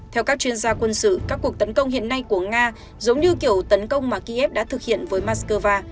theo các chuyên gia quân sự các cuộc tấn công hiện nay của nga giống như kiểu tấn công mà kiev đã thực hiện với moscow